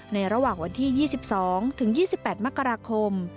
ในระหว่างวันที่๒๒๒๘มกราคม